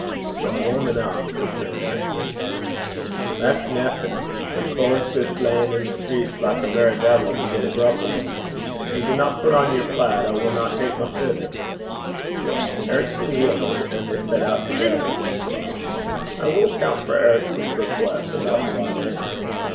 'I'm warm enough,' returned Ericson. 'That's naething. The cauld 's jist lyin' i' the street like a verra deevil to get a grup o' ye. Gin ye dinna pit on yer plaid, I winna tak my fiddle.' Ericson yielded; and they set out together. I will account for Ericson's request about the violin.